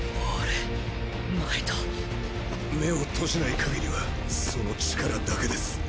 目を閉じない限りはその力だけです。